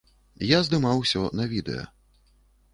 Я здымаў усё на відэа.